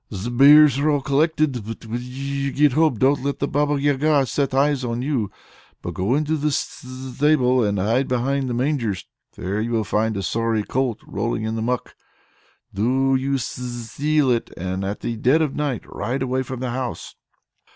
The mares are all collected. But when you get home, don't let the Baba Yaga set eyes on you, but go into the stable and hide behind the mangers. There you will find a sorry colt rolling in the muck. Do you steal it, and at the dead of night ride away from the house."